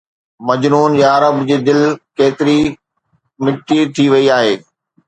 مجنون يا رب جي دل ڪيتري مٽي ٿي وئي آهي